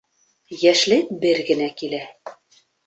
Йәшлек бер генә килә.